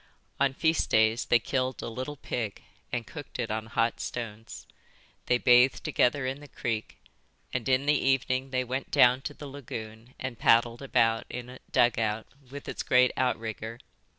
On feast days they killed a little pig and cooked it on hot stones. They bathed together in the creek; and in the evening they went down to the lagoon and paddled about in a dugout, with its great outrigger.